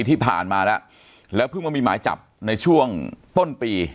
ที่ผ่านมาแล้วแล้วเพิ่งมามีหมายจับในช่วงต้นปี